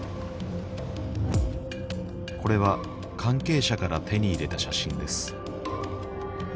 これは関係者から手に入れた写真です